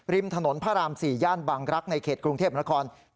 ริมถนนพระราม๔ย่านบางรักษณ์ในเขตกรุงเทพฯบริษัทธรรมนคร